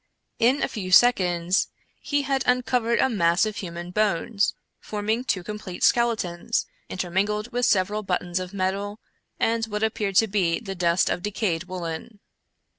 In a few seconds he had uncovered a mass of human bones, forming two complete skeletons, intermingled with several buttons of metal, and what appeared to be the dust of de cayed woolen.